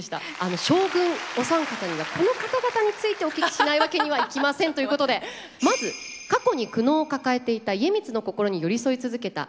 将軍お三方にはこの方々についてお聞きしないわけにはいきませんということでまず過去に苦悩を抱えていた家光の心に寄り添い続けた有功。